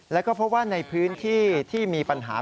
แล้วก็เพราะว่าในพื้นที่ที่มีปัญหา